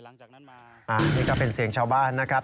นี่ก็เป็นเสียงชาวบ้านนะครับ